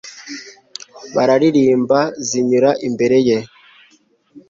Bararirimba zinyura imbere ye